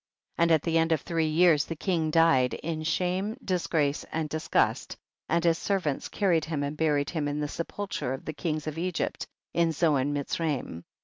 59. And at the end of three years, the king died, in shame, disgrace and disgust, and his servants carried him and buried him in the sepulchre of the kings of Egypt in Zoan Miz raim.